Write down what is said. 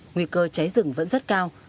nguy cơ cháy rừng vẫn rất cao